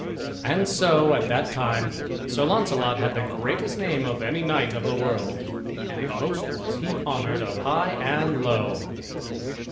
And so at that time Sir Launcelot had the greatest name of any knight of the world, and most was he honored of high and low.